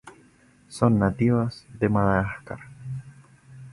Son nativas de Madagascar.